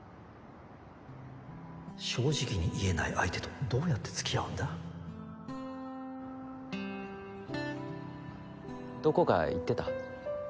正直に言えない相手とどうやって付き合うどこか行ってた？